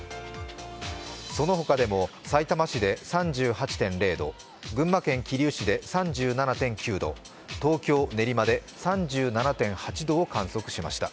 その他でもさいたま市で３８．０度、群馬県桐生市で３７．９度、東京・練馬で３７．８度を観測しました